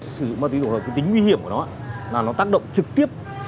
sử dụng ma túy đủ hợp tính nguy hiểm của nó là nó tác động trực tiếp